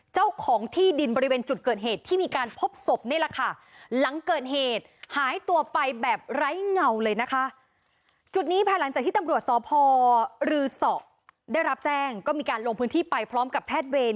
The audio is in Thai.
จุดนี้ภายหลังจากที่ตำรวจสพรืศได้รับแจ้งก็มีการลงพื้นที่ไปพร้อมกับแพทย์เวร